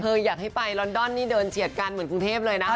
อยากให้ไปลอนดอนนี่เดินเฉียดกันเหมือนกรุงเทพเลยนะ